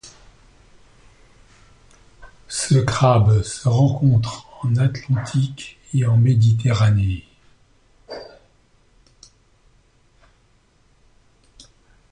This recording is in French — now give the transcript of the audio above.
Ce crabe se rencontre en Atlantique et en Méditerranée.